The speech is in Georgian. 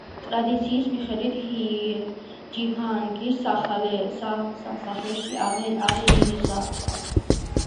ტრადიციის მიხედვით ჯიჰანგირი სასახლეში აღიზარდა.